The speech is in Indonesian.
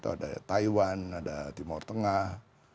ada taiwan ada timur tengah